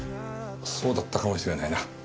そうだったかもしれないな。